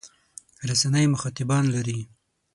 رسنۍ مخاطبان لري.